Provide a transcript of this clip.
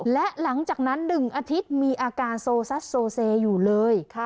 และหลังจากนั้น๑อาทิตย์มีอาการโซซัดโซเซอยู่เลย